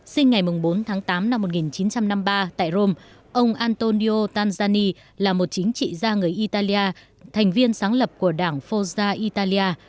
sinh ngày bốn tháng tám năm một nghìn chín trăm năm mươi ba tại rome ông antonio tanzani là một chính trị gia người italia thành viên sáng lập của đảng foza italia